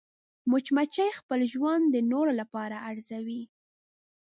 مچمچۍ خپل ژوند د نورو لپاره ارزوي